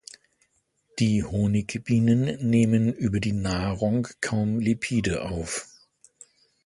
Die Honigbienen nehmen über die Nahrung kaum Lipide auf.